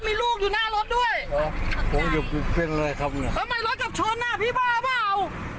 มีลูกอยู่หน้ารถด้วยอ๋อผมหยุดเพลงอะไรครับเอาไหมรถกับชนน่ะพี่บ้าเปล่า